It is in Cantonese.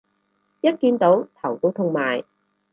一見到頭都痛埋